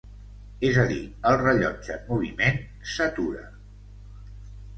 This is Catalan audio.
És a dir, el rellotge en moviment s'atura.